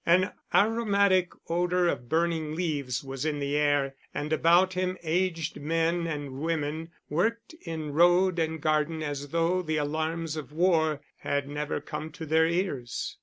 An aromatic odor of burning leaves was in the air and about him aged men and women worked in road and garden as though the alarms of war had never come to their ears.